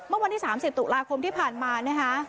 วันที่๓๐ตุลาคมที่ผ่านมานะคะ